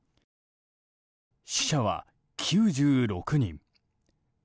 死者は９６人。